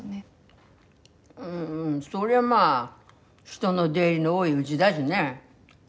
うんそりゃまあ人の出入りの多いうぢだしね。